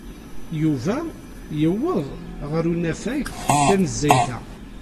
Yuba yewweḍ ɣer unafag tanezzayt-a.